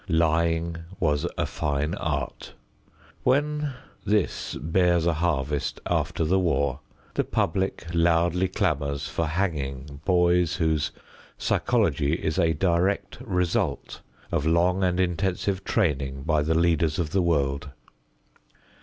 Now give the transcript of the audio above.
Lying was a fine art. When this bears a harvest after the war, the public loudly clamors for hanging boys whose psychology is a direct result of long and intensive training by the leaders of the world.